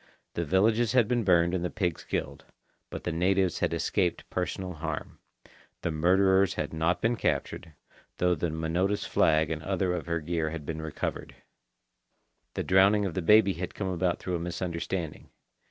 The villages had been burned and the pigs killed. But the natives had escaped personal harm. The murderers had not been captured, though the Minota's flag and other of her gear had been recovered. The drowning of the baby had come about through a misunderstanding.